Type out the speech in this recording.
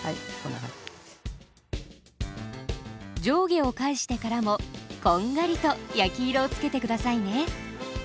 上下を返してからもこんがりと焼き色を付けて下さいね。